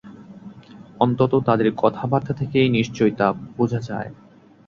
অন্তত তাদের কথাবার্তা থেকে নিশ্চয়ই তা বোঝা যায়।